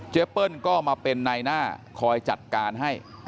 เปิ้ลก็มาเป็นนายหน้าคอยจัดการให้